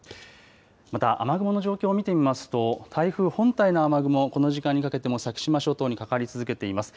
また雨雲の状況を見てみますと台風本体の雨雲、この時間にかけても先島諸島にかかり続けています。